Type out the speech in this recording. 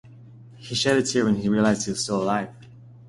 He shed a tear when he realized he was still alive.